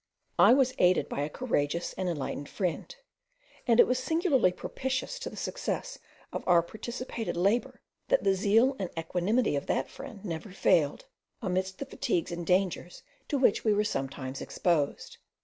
I was aided by a courageous and enlightened friend, and it was singularly propitious to the success of our participated labour, that the zeal and equanimity of that friend never failed, amidst the fatigues and dangers to which we were sometimes exposed.